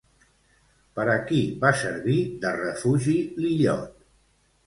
Per a qui va servir de refugi l'illot?